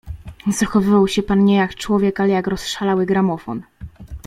"Zachowywał się pan nie jak człowiek, ale jak rozszalały gramofon."